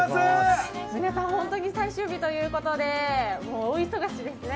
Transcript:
皆さん本当に最終日ということで大忙しですね。